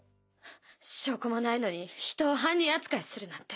証拠もないのに人を犯人扱いするなんて。